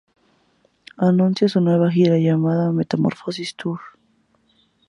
Anuncia su nueva gira llamada: Metamorfosis Tour.